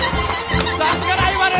さすがライバル！